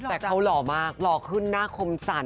แต่เขาหล่อมากหล่อขึ้นหน้าคมสั่น